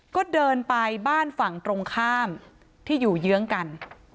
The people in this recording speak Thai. ก็เดินไปบ้านฝั่งตรงข้ามที่อยู่เยื้องกัน